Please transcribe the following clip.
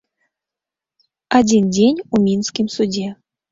Адзін дзень у мінскім судзе.